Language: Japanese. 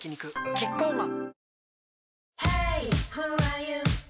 キッコーマン